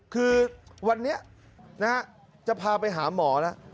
คือวันนี้จะพาไปหาหมอแล้ว